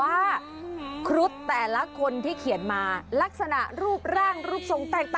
อันนั้นจดหมายส่วนตัว